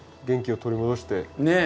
元気を取り戻して。